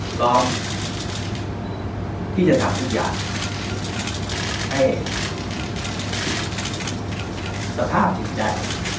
พร้อมที่จะทำทุกอย่างให้สภาพจิตใจ